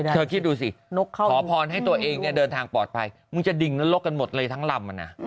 คิดดูสิขอพรให้ตัวเองเนี่ยเดินทางปลอดภัยมึงจะดิ่งนรกกันหมดเลยทั้งลำ